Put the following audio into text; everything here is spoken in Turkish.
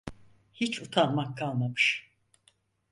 Hiç utanmak kalmamış…